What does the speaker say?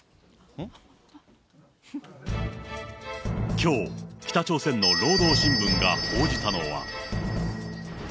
きょう、北朝鮮の労働新聞が報じたのは。